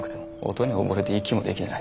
音に溺れて息もできない。